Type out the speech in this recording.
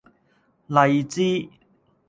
荔枝